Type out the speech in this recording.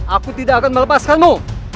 aku tidak akan melepaskanmu